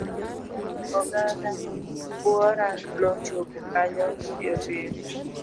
Oganda buora nochopo kanyo piyo piyo.